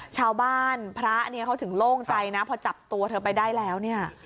ชาวบ้านพระเขาถึงโล่งใจนะพอจับตัวเธอไปได้แล้ว